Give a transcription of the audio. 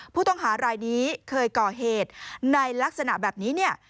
ผู้ต้องหารายนี้เคยก่อเหตุในลักษณะแบบนี้เนี่ย